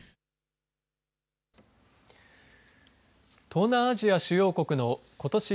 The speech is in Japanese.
東南アジア主要国のことし